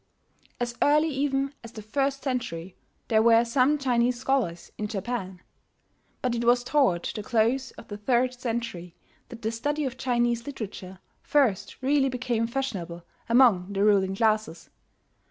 As early even as the first century there were some Chinese scholars in Japan; but it was toward the close of the third century that the study of Chinese literature first really became fashionable among the ruling classes.